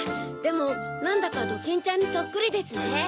でもなんだかドキンちゃんにそっくりですね。